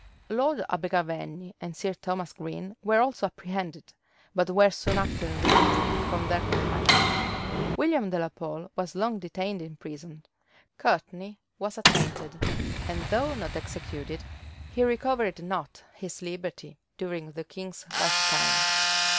Lord Abergavenny and Sir Thomas Green were also apprehended; but were soon after released from their confinement. William de la Pole was long detained in prison: Courtney was attainted, and, though not executed, he recovered not his liberty during the king's lifetime.